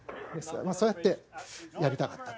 そうやってやりたかったと。